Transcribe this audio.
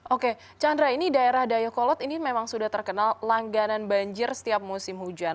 oke chandra ini daerah dayakolot ini memang sudah terkenal langganan banjir setiap musim hujan